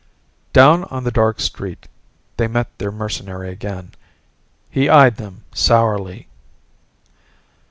Down on the dark street, they met their mercenary again. He eyed them sourly.